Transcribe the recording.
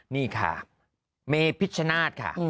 นี่ค่ะเมพิชชนาธิ์ค่ะ